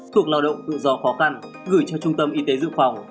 thuộc lao động tự do khó khăn gửi cho trung tâm y tế dự phòng